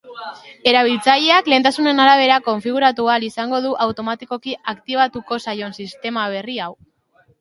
Erabiltzaileak lehentasunen arabera konfiguratu ahal izango du automatikoki aktibatuko zaion sistema berri hau.